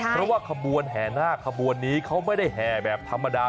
เพราะว่าตำบนแห่งหน้ากำบวนนี้ไม่แห่งแทบธรรมดา